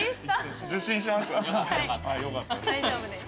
大丈夫です。